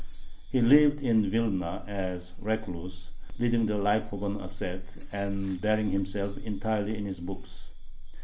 He lived in Vilna as a recluse, leading the life of an ascete and burying himself entirely in his books.